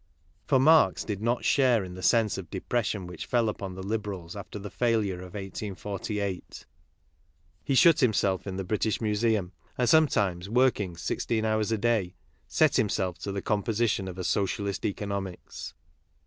For Marx did not share in the sense of depression which fell upon Liberals after the failure of 1848. He shut himself in the British Museum and, sometimes viforking sixteen hours a day, set himself to the composi tion of a socialist economics.